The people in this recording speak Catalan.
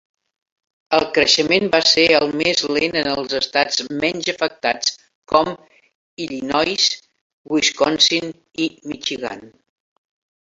El creixement va ser el més lent en els estats menys afectats, com Illinois, Wisconsin i Michigan.